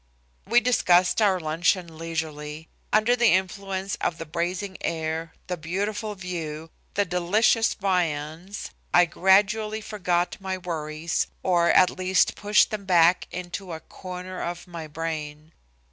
We discussed our luncheon leisurely. Under the influence of the bracing air, the beautiful view, the delicious viands, I gradually forgot my worries, or at least pushed them back into a corner of my brain.